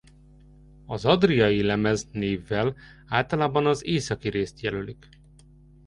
Az adriai-lemez névvel általában az északi részt jelölik.